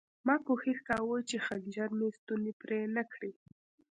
ما کوښښ کاوه چې خنجر مې ستونی پرې نه کړي